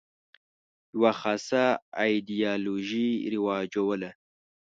یوه خاصه ایدیالوژي رواجوله.